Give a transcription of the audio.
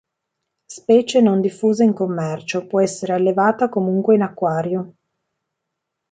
Specie non diffusa in commercio, può essere allevata comunque in acquario.